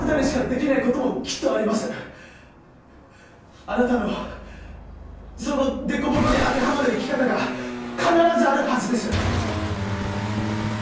あなたのその凸凹に当てはまる生き方が必ずあるはずです！